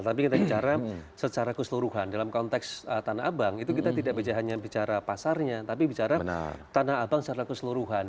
tapi kita bicara secara keseluruhan dalam konteks tanah abang itu kita tidak hanya bicara pasarnya tapi bicara tanah abang secara keseluruhan